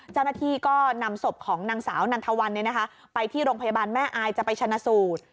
เจ้าหน้าที่ก็นำศพของนางสาวนันทวันไปที่โรงพยาบาลแม่อายจะไปชนะสูตร